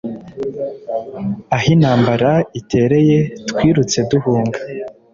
aho intambara itereye twirutse duhunga